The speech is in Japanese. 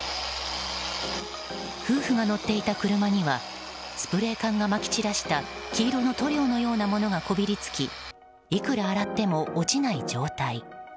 夫婦が乗っていた車にはスプレー缶がまき散らした黄色の塗料のようなものがこびりつきいくら洗っても落ちない状態。